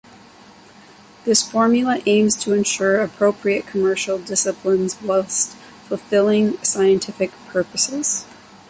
This formula aims to ensure appropriate commercial disciplines whilst fulfilling scientific purposes.